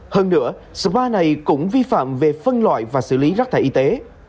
hơn nữa spa này cũng vi phạm về phân loại và xử lý rắc thải y tế